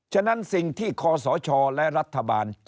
ฉะนั้นสิ่งที่คอสชและรัฐบาล